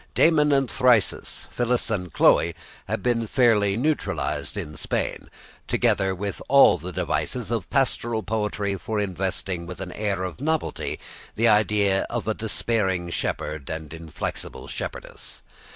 Damon and Thyrsis, Phyllis and Chloe had been fairly naturalised in Spain, together with all the devices of pastoral poetry for investing with an air of novelty the idea of a dispairing shepherd and inflexible shepherdess.